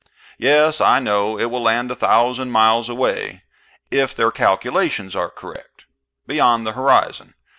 Yes, I know, it will land a thousand miles away, if their calculations are correct. Beyond the horizon.